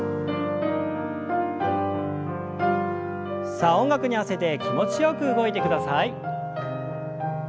さあ音楽に合わせて気持ちよく動いてください。